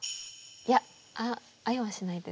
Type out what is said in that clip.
いや会えはしないです。